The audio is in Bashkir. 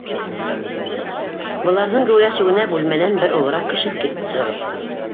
Быларҙың геүләшеүенә бүлмәнән бер олораҡ кеше сығып: